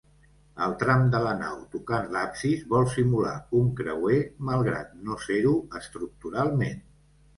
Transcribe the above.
El tram de la nau tocant l'absis vol simular un creuer, malgrat no ser-ho estructuralment.